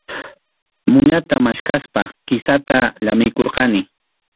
Muñata maskaspa kisata llamiykurquni.